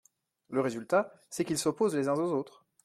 Le résultat, c’est qu’ils s’opposent les uns aux autres.